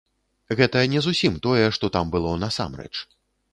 Гэта не зусім тое, што там было насамрэч.